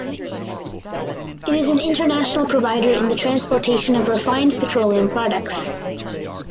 It is an international provider in the transportation of refined petroleum products.